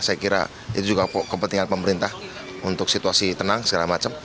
saya kira itu juga kepentingan pemerintah untuk situasi tenang segala macam